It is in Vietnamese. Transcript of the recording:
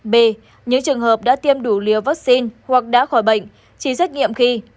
b những trường hợp đã tiêm đủ liều vaccine hoặc đã khỏi bệnh chỉ xét nghiệm khi